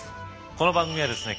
この番組はですね